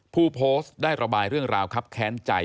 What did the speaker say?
ผู้โพสต์ได้ระบายเรื่องราวครับแค้นใจ